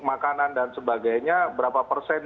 makanan dan sebagainya berapa persen